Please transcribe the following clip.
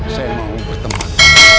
saya mau berteman